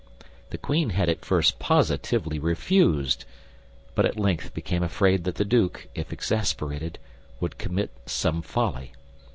The queen had at first positively refused; but at length became afraid that the duke, if exasperated, would commit some folly.